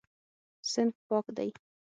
صنف پاک دی.